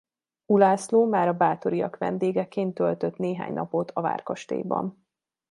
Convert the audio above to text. Ulászló már a Báthoryak vendégeként töltött néhány napot a várkastélyban.